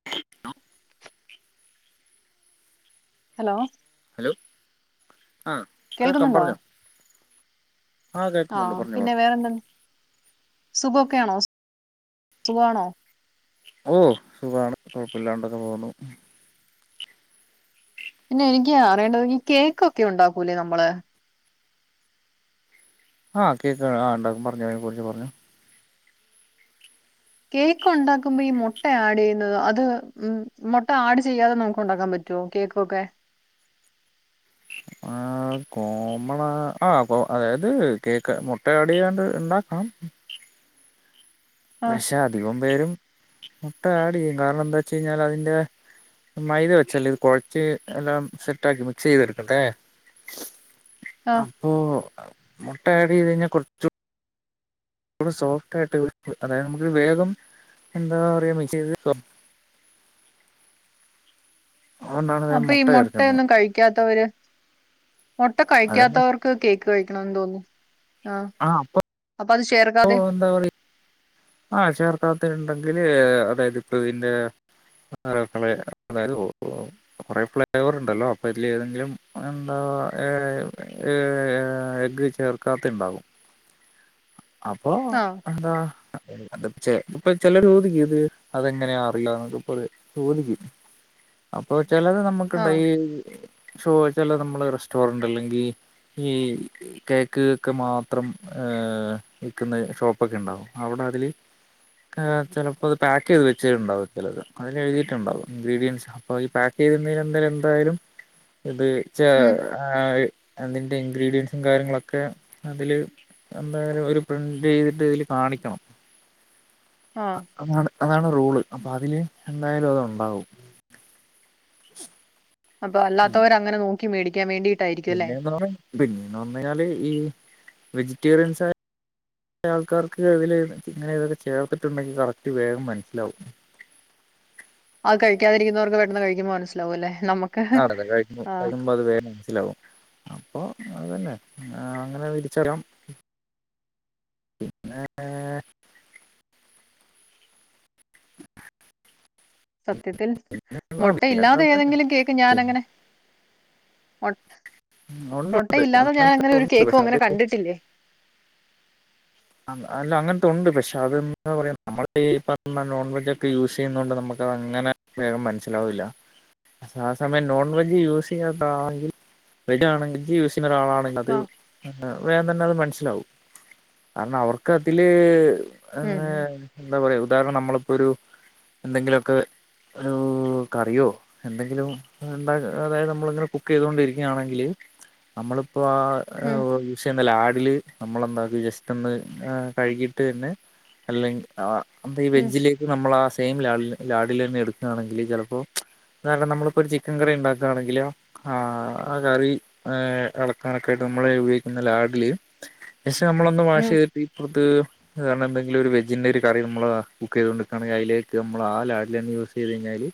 [inaudible] Hello hello ആ കേൾക്കാം കേൾക്കുന്നുണ്ടോ പറഞ്ഞോ ആ കേൾക്കുന്നുണ്ട് പറഞ്ഞോ പിന്നെ പറഞ്ഞോ വേറെന്ത സുഖൊക്കേണോ സുഖാണോ ഓഹ് സുഖമാണ് കൊഴപ്പില്ലാണ്ടങ്ങ് പോകുന്നു പിന്നെ എനിക്ക് അറിയേണ്ടത് ഈ കേക്കൊക്കെ ഉണ്ടാക്കൂലേ നമ്മള് ആഹ് കേക്ക് ആ ഉണ്ടാക്കും പറഞ്ഞോ അതിനെ കുറിച്ച് പറഞ്ഞാേ കേക്ക് ഉണ്ടാക്കുമ്പോ ഈ മുട്ട ആഡ് ചെയ്യുന്നത് അത് ഉ മുട്ട ആഡ് ചെയ്യാതെ നമുക്ക് ഉണ്ടാക്കാൻ പറ്റോ റ്റൂ കേക്കോക്കെ ആ കോമണാ ആ കോ അതായത് കേക്ക് മുട്ട ആഡ് ചെയ്യാണ്ട് ഉണ്ടാക്കാം ആഹ് പക്ഷെ അധികം പേരും മുട്ട ആഡ് ചെയ്യും കാരണം എന്താ വെച്ച് കഴിഞ്ഞാൽ അതിന്റെ മൈദ വെച്ചല്ലേ ഇത് കുഴച്ച് എല്ലാം സെറ്റ് ആക്കി മിക്സ് ചെയ്തെടുക്കട്ടെ ആഹ് അപ്പോ മുട്ട ആട് ചെയ്ത് കഴിഞ്ഞാൽ കൊറച്ചു സോഫ്റ്റ് ആയിട്ട് കിട്ടും അതായത് നമുക്ക് വേഗം എന്താ പറയാ മിക്സ് ചെയ്ത് അതുകൊണ്ടാണ് വേഗം അപ്പൊ ഈ മുട്ട ചേർക്കുന്നത് മുട്ടയൊന്നും കഴിക്കാത്തവര് മുട്ട അതന്നെ കഴിക്കാത്തവർക്ക് കേക്ക് കഴിക്കണന്ന് തോന്നുന്നു ആ അപ്പൊ അത് ചേർക്കാ ഓ എന്താ പറയ് ആഹ് ചേർക്കാത്തെണ്ടെങ്കില് അതായത് ഇപ്പൊതിന്റെ [unintelligible] അതായത് ഓ കൊറെ ഫ്ലേവറ്ണ്ടല്ലോ അപ്പൊ അതില് ഏതെങ്കിലും എന്താ ഏ ഏ ഏ എഗ് വെച്ച് ചേർക്കാത്തെണ്ടാകും അപ്പോ ആഹ് എന്താ ഇപ്പം ചിലര് ചോദിക്കും ഇത് അതെങ്ങനെ അറിയാ എന്നൊക്കെ പറയും ചോദിക്കും അപ്പൊ ചിലര് നമുക്കുണ്ട് ആഹ് ഈ ഷോ ചില നമ്മള് റെസ്റ്റോറന്റ് അല്ലെങ്കി ഈ കേക്ക്ഒക്കെ മാത്രം ഏഹ് നിൽക്കുന്ന ഷോപ്പൊക്കെ ഉണ്ടാവും അവിടെ അതിൽ ചിലപ്പോ അത് പാക്ക് ചെയ്ത് വെച്ചിട്ടുണ്ടാവും ചിലത് അതിലെഴുതിയിട്ടുണ്ടാവും ഇഗ്രീഡിയൻസ് അപ്പൊ ഈ പാക്ക് ചെയ്തിരുന്ന എന്തായാലും എന്തായാലും ഇത് ഉം അതിന്റെ ഇൻഗ്രീഡിയൻസും കാര്യങ്ങളൊക്കെ അതില് എന്തായാലും ഒരു പ്രിന്റ് ചെയ്തിട്ട് ഇതില് കാണിക്കണം ആഹ് അതാണ് അതാണ് റൂള് അപ്പൊ അതില് എന്തായാലും അത് ഉണ്ടാവും അപ്പ അല്ലാത്തവരങ്ങനെ നോക്കി മേടിക്കാൻ വേണ്ടീ പിന്നെന്ന് പറ പിന്നേന്ന് പർഞ്ഞഴിഞ്ഞാല് ഈ വെജിറ്റേറിയൻസ് ആൾക്കാർക്ക് ഇതിൽ ഇങ്ങനെ ഇതൊക്കെ ചേർത്തിട്ടുണ്ടെങ്കിൽ കറക്റ്റ് വേഗം മനസ്സിലാവും അത് കഴിക്കാതിരിക്കുന്നർക്ക് പെട്ടെന്ന് കഴിക്കുമ്പോ മനസിലാവൂല്ലേ നമ്മു നാടന്ന് കഴിക്കും കഴിക്കുമ്പോ അത് വേ ലാവും അപ്പോ അതന്നെ അങ്ങനെ വിരിച്ചല്ലാം സത്യത്തിൽ ഉണ്ട് മുട്ടയില്ലാതെ ഏതെങ്കിലും കേക്ക് ഞാൻ അങ്ങനെ മുട്ടയില്ലാതെ ഞാൻ അങ്ങനത്തെ അങ്ങനെ ഒരു ഉണ്ട് കേക്കും പക്ഷെ അത് അങ്ങനെ കണ്ടിട്ടില്ലേ അല്ല അങ്ങൻത്തെ ഉണ്ട് പക്ഷെ അത എന്താ പറയാ നമ്മൾ ഈ പർഞ്ഞ നോൺ വെജാക്കെ യൂസ് ചെയ്യ്‌ണോണ്ട് നമുക്കതങ്ങനെ വേഗം മനസ്സിലാവൂല്ല ആഹ് സമയം നോൺ വെജ് യൂസ് ചെയ്യാതാണെങ്കിൽ വെജ് ആണെങ്കി വെജ് യൂസെയ്യ്ണ ഒരാളാണെങ്കി അത് ആഹ് വേം തന്നെ അത് മനസ്സിലാവും കാരണം അവർക്ക് അതില് ഉം എന്താ പറയാ ഉദാഹരണം നമ്മളിപ്പോ ഒരു എന്തെങ്കിലുമൊക്കെ ഹലോ കറിയോ എന്തെങ്കിലും ഉണ്ടാ അതായത് നമ്മളിങ്ങനെ കുക്ക് ചെയ്തുകൊണ്ടിരി ക്കാണെങ്കിൽ നമ്മളിപ്പോ ഉം ആഹ് പക്ഷേ എന്നാല് ആഡില് നമ്മളെന്താക്കും ജസ്റ്റ് ഒന്ന് കഴു കഴുകീയിട്ട് തന്നെ അല്ലെങ്കി ആഹ് എന്താ ഈ ഉം വെജിലേക്ക് നമ്മൾ ആഹ് സെയിം ലാ ലാഡിലന്നെ എടുക്കുകയാണെങ്കിൽ ചെലപ്പോ [unintelligible] ണം നമ്മളിപ്പോ ഒരു ചിക്കൻ കറി ഉണ്ടാക്കാണെങ്കിലോ ആഹ് ആഹ് കറി അളക്കാനൊക്കെ ആയിട്ട് നമ്മള് ഉപയോഗിക്കുന്ന ലാഡില് പക്ഷെ നമ്മളൊന്ന് വാഷ് ഉം ചെയ്തിട്ട് [unintelligible] കാരണം എന്തെങ്കില ഒരു വെജിന്റെ ഒരു കറി നമ്മള് കുക്ക് ചെയ്തോണ്ട് ക്കാണെങ്കിൽ അയ്ലേക്ക് നമ്മള് ആഹ് ലാടിലെന്ന യൂസ് ചെയ്ത് കഴിഞ്ഞാല്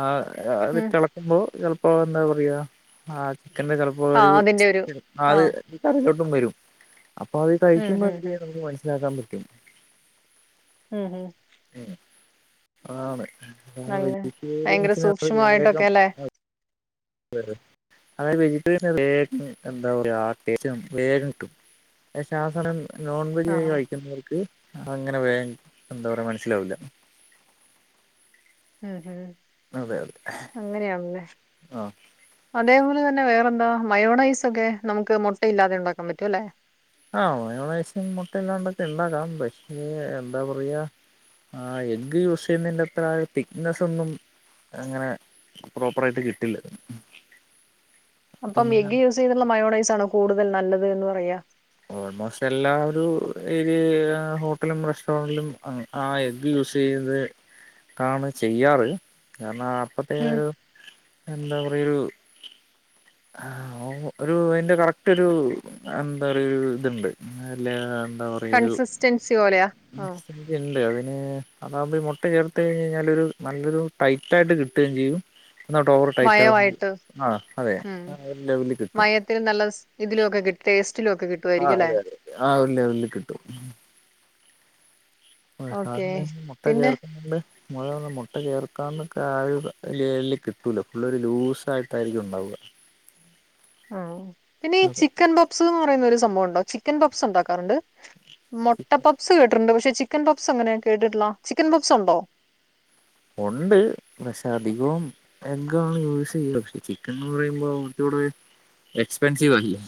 ആഹ് അത് ഉം ഇട്ടളക്കുമ്പോ ചെൽപ്പോ എന്താ പറയാ ആഹ് ചിക്കന്റെ ആഹ് അതിന്റെ ഒരു [unintelligible] അത് ആഹ് കടലോട്ടും വരും അപ്പൊ അത് ഉം കഴിക്കുമ്പോ ഉം ഉം നമുക്ക് മനസ്സിലാക്കാൻ പറ്റും ഹും ഹും അങ്ങനെ ഭയങ്കര സൂക്ഷ്മമായിട്ടൊക്കെ [unintelligible] അല്ലേ [unintelligible] അതായത് വെജിറ്റേറിയൻ വേഗം എന്താ പറയാ [unintelligible] വേഗം കിട്ടും പക്ഷാസനം നോൺവെജായി ആഹ് ആഹ് കഴിക്കുന്നവർക്ക് അങ്ങനെ വേഗ എന്താ പറയ മനസ്സിലാവില്ല ഏഹ് അതെ അതെ അങ്ങനെയാണ്ല്ലേ ആഹ് അതേപോലെ തന്നെ വേറെന്താ മയോണൈസ് ഒക്കെ നമുക്ക് മുട്ടയില്ലാതെ ഉണ്ടാക്കൻ പറ്റും അല്ലെ ആഹ് മയോണൈസ് മുട്ട ഇല്ലാണ്ടൊക്കെ ഇണ്ടാക്കാം പക്ഷെ എന്താ പറയാ ആ എഗ് യൂസ് ചെയ്യുന്നതിന്റെ അത്ര തിക്നെസ്സ് ഒന്നും അങ്ങനെ പ്രോപ്പർ ആയിട്ട് കിട്ടില്ല അപ്പം പിന്നെ എഗ്ഗ് യൂസ് ചെയ്ത്ള്ള മയോണൈസ് ആണോ കൂടുതൽ നല്ലത് എന്ന് പറയാ ഓൾമോസ്റ്റ് എല്ലാ ഒരു ഏരിയയിലുള്ള ഹോട്ടലും റെസ്റ്റോറന്റിലും അങ്ങനെ ആ എഗ്ഗ് യൂസ് ചെയ്ത് കാണ് ചെയ്യാറ് കാരണം അപ്പ ത്തേ ഉം ഒരു എന്താ പറയാ ഒരു ആ ഒരു അതിന്റെ കറക്‌റ്റൊരു എന്താ പറയ ഇതുണ്ട് ആല്ലേ ഉണ്ടാവ കൺസിസ്റ്റൻസി പോലെയ ആ ഉണ്ട് അതിന് അതാകുമ്പോ ഈ മുട്ട ചേർത്ത് കഴിഞ്ഞ് കഴിഞ്ഞാൽ ഒരു നല്ലൊരു ടൈറ്റായിട്ട് കിട്ടുകയും ചെയ്യും എന്നാ ട്ട് ഓവറ് ടൈറ്റ് ആക ആ അതെ ആ ഒരു ലെവലിൽ കിട്ടും മയത്തിലും നല്ല ഇതിലൊക്കെ കിട്ടി ടേസ്റ്റിലും ഒക്കെ കി ആഹ് അതെ അതെ ആഹ് ഒരു ലെവൽ കിട്ടും ഓക്കെ [unintelligible] മുട്ട പിന്നെ ചേർക്കുന്നുണ്ട് മുഴ മുട്ട ചേർക്കാതൊക്കെ ആഴ ലലിൽ കിട്ടൂല്ല ഫുള്ളൊ ഒരു ലൂസായിട്ടായിരിക്കും ഉണ്ടാവുക ആഹ് പിന്നെ ഈ അതെ ചിക്കൻ പപ്സ് എന്ന് പറയുന്ന ഒരു സംഭവൊണ്ടാ ചിക്കൻ പപ്സ് ഇണ്ടാക്കാറ്ണ്ട്? മൊട്ട പപ്സ് കേട്ടിട്ട്ണ്ട് പക്ഷെ ചിക്കൻ പപ്സ് ങ്ങനെ കേട്ടിട്ടില്ല ചിക്കൻ പപ്സ് ഉണ്ടോ? ഒണ്ട് പക്ഷെ അധികവും. എഗ്ഗ് ആണ് യൂസ് ചെയ്യുന്നത് ചിക്കൻ എന്ന് പറയുമ്പോ എക്സ്പെൻസിവ് അല്ലെ.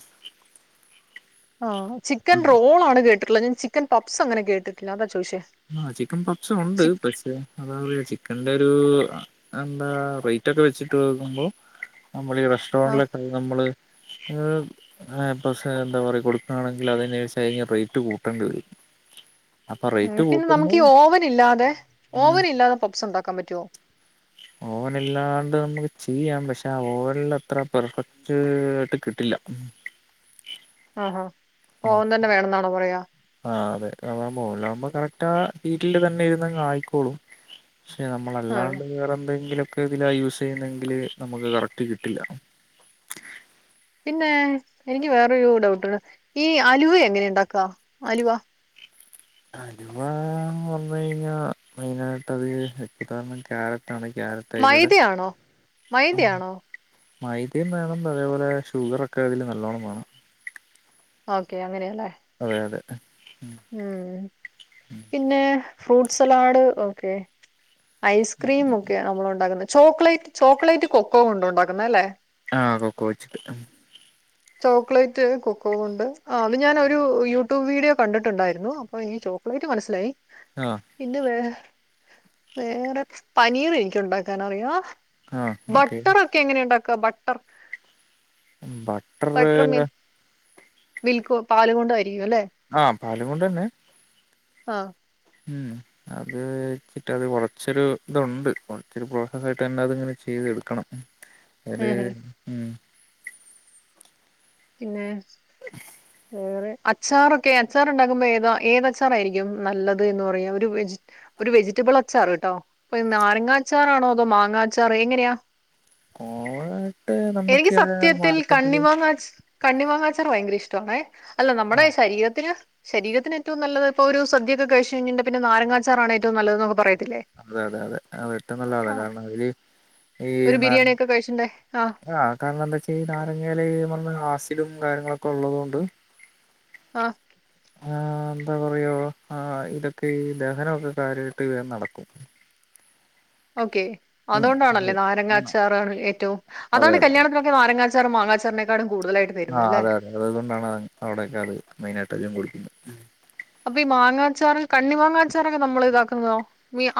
ആഹ് ചിക്കൻ റോൾ ആണ് കേട്ടിട്ടുള്ളത് ഞാൻ ചിക്കൻ പപ്പ്സ് അങ്ങനെ കേട്ടി ട്ടില്ല അതാ ചോദിച്ചേ ആഹ് ചിക്കൻ പപ്സും ഉണ്ട് ചിക്ക് പക്ഷേ. അതാ പറ ചിക്കന്റൊരു എന്താ റേറ്റ് ഒക്കെ വെച്ചിട്ട് നോക്കുമ്പോ. നമ്മളീ ആ റെസ്റ്റോറൻറിലൊക്കെ നമ്മള്. ഏഹ് അങ്ങനെ പക്ഷെ എന്താ പറയാ കൊടുക്കുകയാണെങ്കിൽ അതനുരിച്ച് റേറ്റ് കൂട്ടേണ്ടി വരും. അപ്പ ഉം പിന്നെ നമുക്ക് ഈ ഓവൻ ഇല്ലാതെ ഉം ഓവൻ ഇല്ലാതെ പപ്സ് ഉണ്ടാക്കാൻ പറ്റോ. ഓവനില്ലാണ്ട് നമുക്ക് ചെയ്യാം പക്ഷെ ആ ഓവനിൽ അത്ര പെർഫക്ട്. ഫെക്റ്റ് ട്ട് കിട്ടില്ല. ആഹ് അഹ് ഓവൻ തന്നെ വേണന്നാണോ പറയാ. ആഹ് അതെ അതാകുമ്പോ ഓവൻലാകുമ്പോ കറക്റ്റ് ആ ഹീറ്റില് തന്നെ ഇരുന്നായിക്കോളും. പക്ഷെ ആ നമ്മളല്ലാണ്ട് വേറെന്തെങ്കിലൊക്കെ ഇതിലാ യൂസ് ചെയ്യുന്നെങ്കില് നമുക്ക് കറക്റ്റ് കിട്ടില്ല. പിന്നെ എനിക്ക് വേറൊരു ഡൗട്ടുണ്ട് ഈ അലുവ എങ്ങനെ ഉണ്ടാക്കാ അലുവ. അലുവാന്ന് പറഞ്ഞു കഴിഞ്ഞാ മെയിനായിട്ടതില് ക്യാരറ്റാണ് ക്യാരറ്റ് മൈദയാണോ [unintelligible] മൈദയാണോ മൈദം വേണം അതേപോലെ ഷുഗർ ഒക്കെ അതില് നല്ലോണം വേണം. ഓക്കെ അങ്ങനേല്ലേ. അതെ അതെ ഉം. ഉംഹ് പിന്നെ ഫ്രൂട്ട് സലാഡ് ഓക്കെ. ഐസ്ക്രീം ഒക്കെയ നമ്മൾ ഉണ്ടാക്കുന്നത് ചോക്ലേറ്റ് ചോക്ലേറ്റ് കൊക്കോ കൊണ്ട് ഉണ്ടാക്കുന്നതല്ലെ. ആഹ് കൊക്കോവച്ചിട്ട്. ചോക്ലേറ്റ് കൊക്കോ കൊണ്ട് ആ അത് ഞാനൊരു യൂട്യൂബ് വീഡിയോ കണ്ടിട്ടുണ്ടായിരുന്നു അപ്പൊ ഈ. പ്ലൈറ്റ് മനസ്സിലായി ആഹ്. പിന്നെ വേ വേറെ പനീറ് എനീക്ക് ഉണ്ടാക്കാൻ അറിയാ. ആ ഓക്കെ ബട്ടറൊക്കെ എങ്ങനെ ഉണ്ടാക്ക ബട്ടർ. ബ പട്ട്റ്മിൽ മിൽക്ക് പാല് കൊണ്ടയിരിക്കും അല്ലെ. ആഹ് പാല് കൊണ്ടെന്നേ. ആഹ്. മ്മ്ഹ്. അത് [unintelligible] അത് കുറച്ചൊരു ഇതുണ്ട് കുറച്ചരു പ്രോസസ്സായിട്ട് തന്നെ അതിങ്ങനെ ചെയ്തെടുക്കണം. അത് ഉം ഉം പിന്നെ വേറെ. അച്ചാറൊക്കെ അച്ചാർ ഉണ്ടാക്കുമ്പോ ഏതാ ഏത് അച്ചാറായിരിക്കും നല്ലത് എന്ന് പറയാ ഒരു വെജി ഒരു വെജിറ്റബിൾ അച്ചാറ്ട്ടോ ഇപ്പൊ നാരങ്ങാച്ചാറാണോ അതോ മാങ്ങാച്ചാറാണോ എക്കന്നെയാ ഓവറായിട്ട് എനിക്ക് നമുക്ക് ആ സത്യത്തിൽ മാർക്കറ്റില് കണ്ണിമാങ്ങാ അച്ഛാ കണ്ണി മാങ്ങാച്ചാർ ഭയങ്കര ഇഷ്ടണ അല്ല ആ നമ്മുടെ ശരീരത്തിന്. ശരീത്തിന് ഏറ്റവും നല്ലത്പ്പോ ഒരു സദ്യൊക്കെ കഴിച്ച കഴിഞ്ഞ പിന്ന നാരങ്ങച്ചാറാണ് ഏറ്റവും നല്ലതന്നൊക്കെ പറ അതെ അതെ അതെ അതേറ്റെം നല്ല ആതാണ് കാരണം അതില് ഈ ന ല്ലെ ആഹ്. കാരണം എന്താ വെച്ച് കഴിഞ്ഞാല് [unintelligible] നാരങ്ങേയിലന്ന് പറഞ്ഞൽ ആസിഡും കാര്യങ്ങളൊക്കെ ഉള്ളതുകൊണ്ട് ആഹ് ആഹ് എന്താ പറയാ ആഹ് ഇതൊക്കെ ഈ ദഹനൊക്കെ കാര്യായിട്ട് വേനടക്കും ഓക്കെ ഉം അതോണ്ടാണല്ലേ അതെ ആ നാരങ്ങാച്ചാർ ഏറ്റവും അതെ അതാണ് അതെ കല്യാണത്തിന് നാരങ്ങാച്ചാറ് മാങ്ങാച്ചാറിനെക്കാളും കൂടുതലായിട്ട് ആ തരുന്നെ ല്ലേ അതെ അത് കൊണ്ടാണ് അവിടെയൊക്കെയത് മെയ്‌നായിട്ട് അധികം കൊടുക്കുന്നത് അപ്പൊ ഈ മാങ്ങാച്ചാറ് കണ്ണി മാങ്ങാച്ചാറൊക്കെ നമ്മള് ഇതാക്കുന്നതോ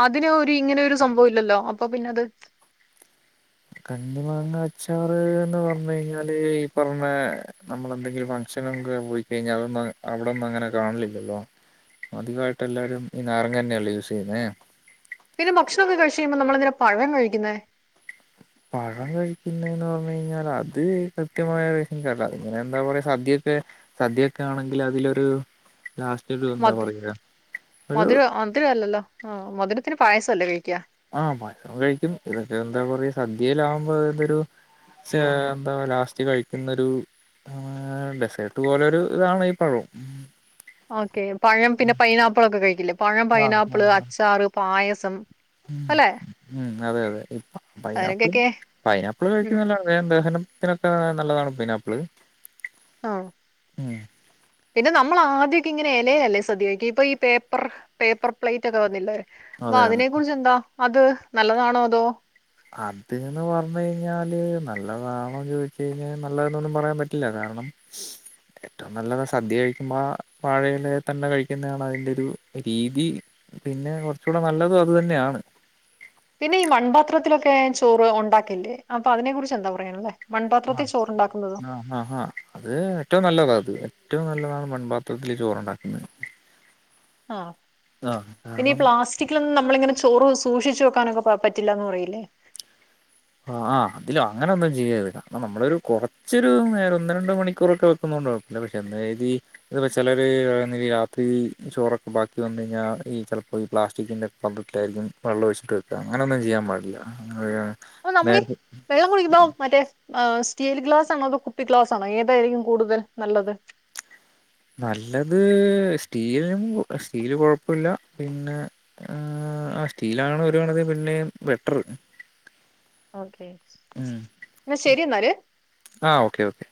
അതില് ഒരു ഇങ്ങനൊരു സംഭവല്ലല്ലോ അപ്പൊ പിന്നത് കണ്ണി മാങ്ങാച്ചാറ്ന്ന് പറഞ്ഞ് കഴിഞ്ഞാല് ഈ പറിണെ നമ്മളെന്തെങ്കിലും ഫംഗ്ഷനൊക്കെ പോയിക്കഴിഞ്ഞാൽ അതൊന്നും അവിടന്നും അങ്ങനെ കാണലില്ലല്ലോ അധികായിട്ട് എല്ലാരും ഈ നാരങ്ങന്നെയല്ലെ യൂസിയ്യുന്നേ പിന്നെ ഭക്ഷണൊക്കെ കഴിച്ച് കഴിയുമ്പോ നമ്മളെന്തിനാ പഴം കഴിക്കുന്നേ പഴം കഴിക്കുന്നേന്നറഞ്ഞ് കഴിഞ്ഞാല് അത് കൃത്യമായ റീസണിക്കറില്ല ഇങ്ങനെ എന്താ പറയാ സദ്യൊക്കെ സദ്യൊക്കെ ആണെങ്കിൽ അതിലൊരു ലാസ്റ്റ് ഒരു എന്താ മധ് പറയാ ഒരു മധുര മധുരല്ലല്ലോ ആഹ് മധുരത്തിന് പായസല്ലേ കഴിക്ക ആഹ് മധുരം കഴിക്കും ഇതൊക്കെ എന്താ പറയാ സദ്യയിലാവുമ്പൊ അതൊരു [unintelligible] എന്താ ലാസ്റ്റ് കഴിക്കുന്നൊരു ആഹ് ഡെസേർട്ട് പോലൊരു ഇതാണ് ഈ പഴം ഓക്കെ പഴം പിന്നെ പൈനാപ്പിളൊക്കെ കഴിക്കില്ലേ പഴം ആഹ് പൈനാപ്പിള് ആഹ് അച്ചാറ് പായസം ഉം അല്ലെ ഉം അതെ യതെ പൈനാപ്പിൾ അതിനൊക്കൊക്കെ പൈനാപ്പിള് ഉം കഴിക്കുന്നെ നല്ലതാണ് വേം ദഹനത്തിനൊക്കെ നല്ലതാണ് പൈനാപ്പിള് ഒഹ് ഉം പിന്നെ നമ്മളാദ്യൊക്കെ ഇങ്ങനെ ഇലേലല്ലേ സദ്യ കഴിക്ക ഇപ്പൊ ഈ പേപ്പർ പേപ്പർ പ്ലേറ്റൊക്കെ വന്നില്ലേ വ അതെ അതെ അതിനെ കുറിച്ചെന്താ അത് നല്ലതാണോ അതോ അത്ന്ന് പറഞ്ഞ്കഴിഞ്ഞാല് നല്ലതാണോന്ന് ചോദിച്ചുഴിഞ്ഞാൽ നല്ലതെന്നൊന്നും പറയാപറ്റില്ല കാരണം കേട്ടു നല്ലത് സദ്യ കഴിക്കുമ്പോ വാഴയിലെ തന്നെ കഴിക്കുന്നാണ് അതിന്റൊരു രീതി പിന്നെ കുറച്ചുടെ നല്ലതും അത് തന്നെയാണ് പിന്നെ ഈ മൺപാത്രത്തിലൊക്കെ ചോറ് ഉണ്ടാക്കില്ലേ അപ്പൊ അതിനെ കുറിച്ചെന്താ പറയാനുള്ളേ മൺപാത്രത്തിൽ ആഹ് ചോറുണ്ടാക്കുന്നത് ആഹ് ആഹ് ആഹ് അത് ഏറ്റവും നല്ലതാത് ഏറ്റവും നല്ലതാണ് മൺപാത്രത്തില് ചോറുണ്ടാക്കുന്നെ ആഹ് ഇനി കാരണം പ്ലാസ് സ്റ്റിക്കിലൊന്നും നമ്മളിങ്ങനെ ചോറ് സൂക്ഷിച്ച് വെക്കാനക്കെ പറ്റില്ലാന്ന് പറയില്ലേ ആഹ് അതിലോ അങ്ങനൊന്നും ചെയ്യരുത് കാരണം നമ്മളൊരു കുറച്ചൊരു നേരം ഒന്ന് രണ്ട് മണിക്കൂറൊക്കെ വെ വെക്കുന്നോണ്ട് കൊഴപ്പില്ല പക്ഷെ എന്ന് കരുതി അധവ ചെലര് രാത്രി ചോറൊക്കെ ബാക്കി വന്നഴിഞ്ഞാൽ ഈ ചെലപ്പോ ഈ പ്ലാസ്റ്റിക്കിന്റെ പാത്രത്തിലായിരിക്കും വെള്ളം ഒഴിച്ചിട്ട് വെക്ക അങ്ങനൊന്നും ചെയ്യാൻ പാടില്ല ആ അപ്പൊ നമ്മളീ വെള്ളം കുടിക്കുമ്പൊ മറ്റേ ആ സ്റ്റീൽ ഗ്ലാസാണോ അതൊ കുപ്പി ഗ്ലാസാണോ ഏതായിരിക്കും കൂടുതൽ നല്ലത് നല്ലത് സ്റ്റീലും സ്റ്റീല് കൊഴപ്പില്ല പിന്ന ആഹ് ആഹ് സ്റ്റീലാണ് ഒരു കണക്കിന് പിന്നേം ബെറ്റർ ഓക്കെ ഉം എന്നാ ശരിന്നാല് ആഹ് ഓക്കെ ഓക്കെ